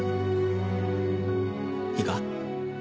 いいか？